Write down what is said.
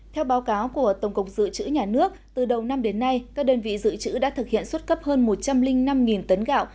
theo báo cáo của tổng cục dự trữ nhà nước từ đầu năm đến nay các đơn vị dự trữ đã thực hiện xuất cấp hơn một trăm linh năm tấn gạo